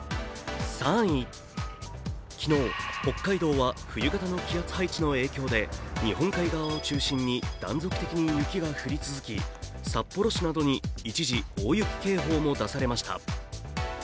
昨日、北海道は冬型の気圧配置の影響で日本海側を中心に断続的に雪が降り続き、札幌市などに一時大雪警報も出されました。